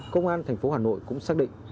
công an thành phố hà nội cũng xác định